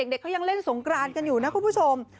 เด็กเขายังเล่นสงกรานกันอยู่นะคุณผู้ชม